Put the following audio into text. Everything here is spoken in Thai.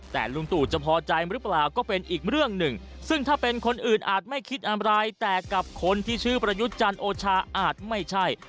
แต่ลุงตู่จะพอใจหรือเปล่าก็เป็นอีกเรื่องหนึ่งซึ่งถ้าเป็นคนอื่นอาจไม่คิดอะไรแต่กับคนที่ชื่อประยุทธ์จันทร์โอชาอาจไม่ใช่